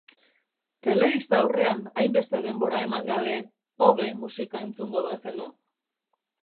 Telebista aurrean hainbeste denbora eman gabe, hobe musika entzungo bazenu.